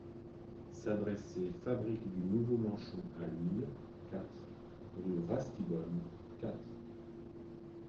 S'adresser Fabrique du nouveau manchon à Lille, quatre, rue Ratisbonne, quatre.